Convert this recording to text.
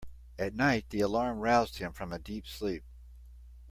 At night the alarm roused him from a deep sleep.